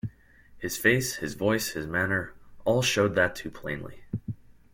His face, his voice, his manner, all showed that too plainly.